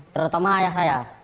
terutama ayah saya